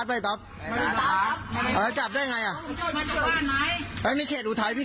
ได้ย่อผมหอบเออจับได้ไงอ่อทำไมนี่เชนดูท้ายบี่